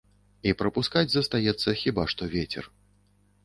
І прапускаць застаецца хіба што вецер.